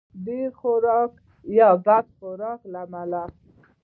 د ډېر خورګۍ یا بد خورګۍ له امله.